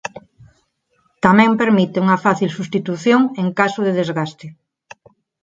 Tamén permite unha fácil substitución en caso de desgaste.